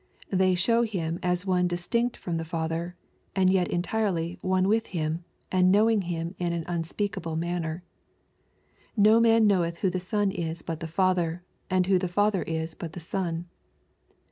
''— They show Him as one distinct from the Father, and yet entirely one with Him, and knowing Him in an unspeakable manner. "No man knoweth who the Son is but the Father : and who the Father is but the Son."